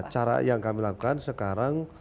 cara yang kami lakukan sekarang